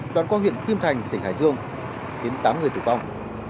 đoàn quang hiện kim thành tỉnh hải dương khiến tám người tử vong